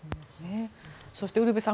そしてウルヴェさん